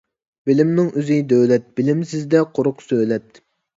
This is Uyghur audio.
بىلىمنىڭ ئۆزى دۆلەت، بىلىمسىزدە قۇرۇق سۆلەت.